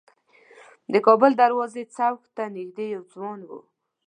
د کابل دروازې څوک ته نیژدې یو ځوان و.